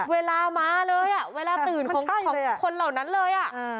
เวลามาเลยอ่ะเวลาตื่นของคนเหล่านั้นเลย